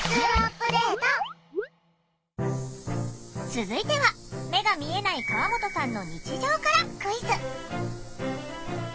続いては目が見えない川本さんの日常からクイズ。